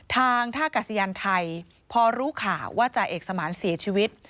ทางท่ากัศยานไทยพอรู้ข่าวว่าจ่าเอกสมานเสียชีวิต